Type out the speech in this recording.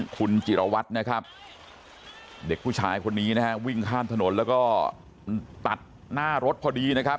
คุณจิรวัตรนะครับเด็กผู้ชายคนนี้นะฮะวิ่งข้ามถนนแล้วก็ตัดหน้ารถพอดีนะครับ